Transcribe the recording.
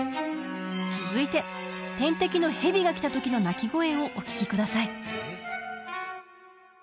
続いて天敵のヘビが来た時の鳴き声をお聞きください